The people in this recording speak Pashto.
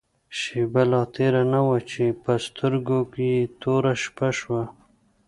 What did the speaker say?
شېبه لا تېره نه وه چې په سترګو يې توره شپه شوه.